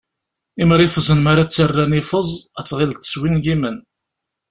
Imrifẓen mara ttarran ifeẓ, ad ttɣilleḍ swingimen.